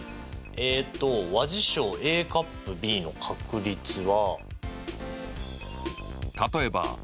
えっと和事象Ａ∪Ｂの確率は。